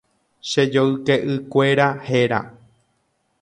Che joykeʼykuéra héra.